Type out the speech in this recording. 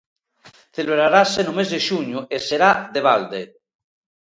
Celebrarase no mes de xuño e será de balde.